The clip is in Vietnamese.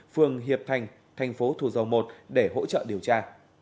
phường hiệp thành thành phố thủ dầu một để hỗ trợ điều tra